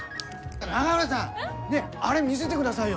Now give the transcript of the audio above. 永浦さんねえあれ見せてくださいよ。